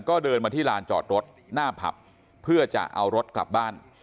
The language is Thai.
ก็เดินมาที่ลานจอดรถหน้าผับเพื่อจะเอารถกลับบ้าน